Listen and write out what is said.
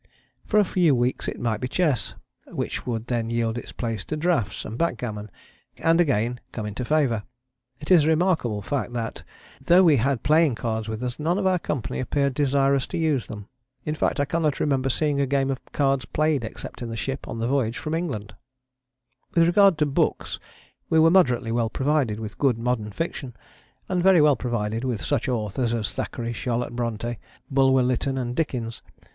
For a few weeks it might be chess, which would then yield its place to draughts and backgammon, and again come into favour. It is a remarkable fact that, though we had playing cards with us none of our company appeared desirous to use them. In fact I cannot remember seeing a game of cards played except in the ship on the voyage from England. [Illustration: THE SEA'S FRINGE OF ICE] With regard to books we were moderately well provided with good modern fiction, and very well provided with such authors as Thackeray, Charlotte Brontë, Bulwer Lytton and Dickens.